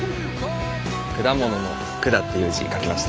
「果物」の「果」っていう字書きました。